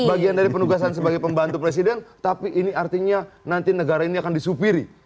bagian dari penugasan sebagai pembantu presiden tapi ini artinya nanti negara ini akan disupiri